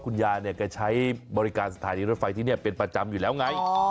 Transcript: ยาเนี่ยแกใช้บริการสถานีรถไฟที่นี่เป็นประจำอยู่แล้วไง